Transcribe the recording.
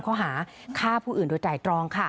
๓ข้อหาฆ่าผู้อื่นโดยจ่ายตรอง